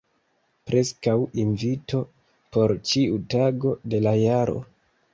Preskaŭ invito por ĉiu tago de la jaro.